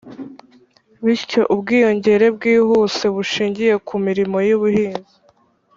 bityo, ubwiyongere bwihuse bushingiye ku mirimo y'ubuhinzi